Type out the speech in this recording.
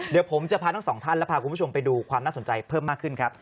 เดี๋ยวผมจะพาทั้งสองท่านและพาคุณผู้ชมไปดูความน่าสนใจเพิ่มมากขึ้นครับ